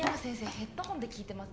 ヘッドフォンで聞いてます